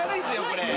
これ。